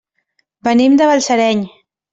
Venim de Balsareny.